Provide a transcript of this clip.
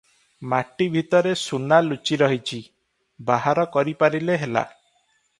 ମାଟିଭିତରେ ସୁନା ଲୁଚି ରହିଚି- ବାହାର କରି ପାରିଲେ ହେଲା ।"